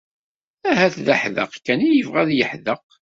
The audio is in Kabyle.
Ahat d aḥdaq kan i yebɣa ad yeḥdeq.